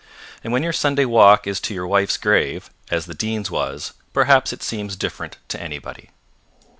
And when your Sunday walk is to your wife's grave, as the Dean's was, perhaps it seems different to anybody.